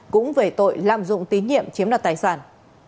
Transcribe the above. cũng về tội lạm dụng tín nhiệm chiếm đoạt tài sản